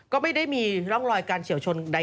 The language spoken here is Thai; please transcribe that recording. ก็ไม่ได้มีร่องรอยการเฉียวชนใด